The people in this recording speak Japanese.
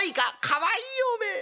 「かわいいよおめえ。